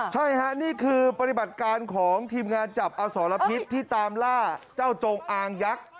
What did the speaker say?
ใช่ค่ะนี่คือปฏิบัติการของทีมงานจับอสรพิษที่ตามล่าเจ้าจงอางยักษ์